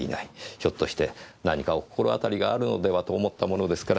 ひょっとして何かお心当たりがあるのではと思ったものですから。